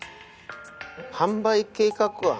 「販売計画案」？